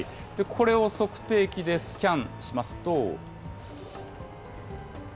これを測定器でスキャンしますと。